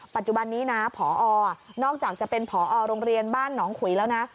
ปัจจุบันนี้นะพอนอกจากจะเป็นผอโรงเรียนบ้านหนองขุยแล้วนะ